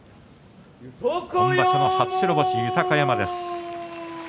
今場所の初白星、豊山です。